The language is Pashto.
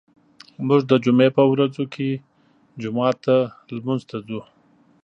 موږ د جمعې په ورځو کې جومات ته لمونځ ته ځو.